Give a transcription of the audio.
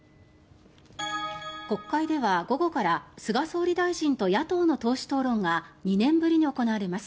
国会では午後から菅総理大臣と野党の党首討論が２年ぶりに行われます。